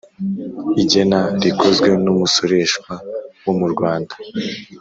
Igena rikozwe n umusoreshwa wo mu rwanda